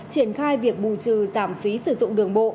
triển khai việc bù trừ giảm phí sử dụng đường bộ